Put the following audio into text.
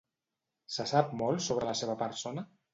Se sap molt sobre la seva persona?